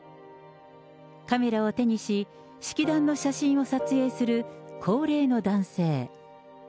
カメラを手にし、式壇の写真を撮影する高齢の男性。